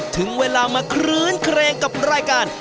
ถึงเวลามาคลื้นเครงกับรายการ